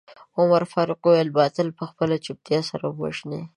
عمر فاروق وويل باطل په خپلې چوپتيا سره ووژنئ.